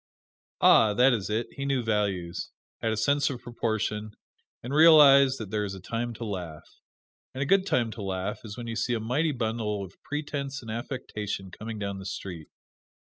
Ah! that is it he knew values had a sense of proportion, and realized that there is a time to laugh. And a good time to laugh is when you see a mighty bundle of pretense and affectation coming down the street.